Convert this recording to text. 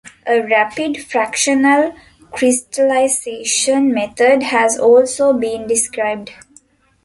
A rapid fractional crystallization method has also been described.